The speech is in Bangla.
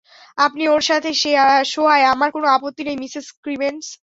আপনি ওর সাথে শোয়ায় আমার কোনো আপত্তি নেই, মিসেস ক্রিমেন্টজ।